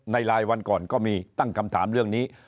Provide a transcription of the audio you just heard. ในรายวันก่อนก็มีตั้งคำถามเรื่องนี้